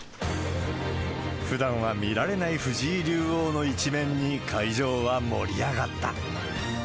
ふだんは見られない藤井竜王の一面に、会場は盛り上がった。